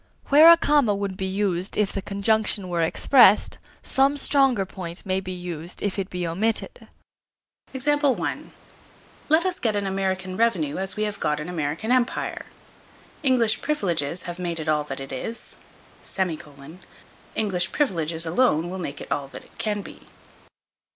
Where a comma would be used if the conjunction were expressed, some stronger point may be used if it be omitted. Let us get an American revenue as we have got an American Empire. English privileges have made it all that it is; English privileges alone will make it all that it can be.